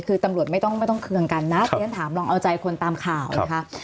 คือตำรวจไม่ต้องเครื่องกันนะที่ท่านถามลองเอาใจคนตามข่าวนะครับ